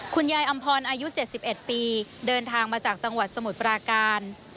อำพรอายุ๗๑ปีเดินทางมาจากจังหวัดสมุทรปราการ